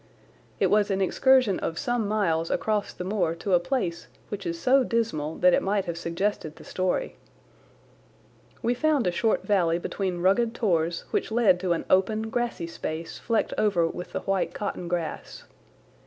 It was an excursion of some miles across the moor to a place which is so dismal that it might have suggested the story. We found a short valley between rugged tors which led to an open, grassy space flecked over with the white cotton grass.